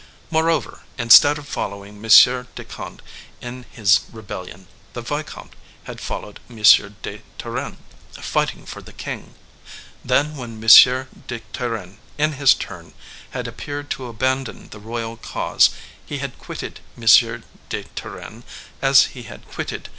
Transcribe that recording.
Moreover, instead of following M. de Conde in his rebellion, the vicomte had followed M. de Turenne, fighting for the king. Then when M. de Turenne, in his turn, had appeared to abandon the royal cause, he had quitted M. de Turenne, as he had quitted M.